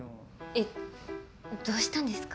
えどうしたんですか。